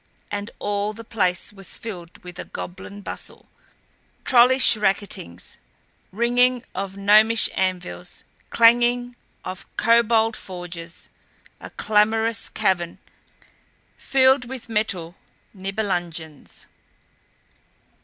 And all the place was filled with a goblin bustle, trollish racketings, ringing of gnomish anvils, clanging of kobold forges a clamorous cavern filled with metal Nibelungens.